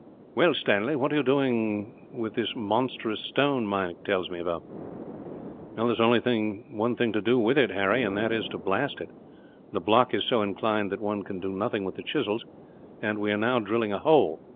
"Well, Stanley, what are you going to do with this monstrous stone Meinik tells me of?" "There is only one thing to do with it, Harry; that is, to blast it. The block is so inclined that one can do nothing with the chisels, and we are now drilling a hole.